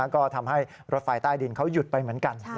ก็ทำให้รถไฟใต้ดินเขาหยุดไปเหมือนกัน